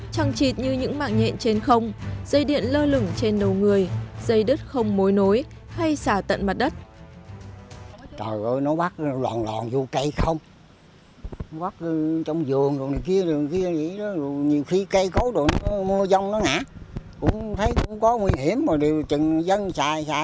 trăng trịt như những mạng nhện trên không dây điện lơ lửng trên đầu người dây đứt không mối nối hay xả tận mặt đất